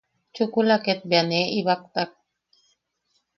Chukula ket bea nee ibaktak.